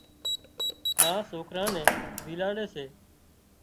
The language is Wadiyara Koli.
ما سوڪران نين زيلاڙي سي